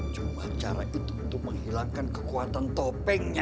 cuma cara itu untuk menghilangkan kekuatan topengnya